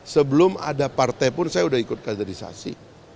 sebelum ada partai pun saya sudah ikut kaderisasi